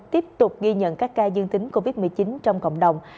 tiếp tục ghi nhận các ca dương tính covid một mươi chín trong cộng đồng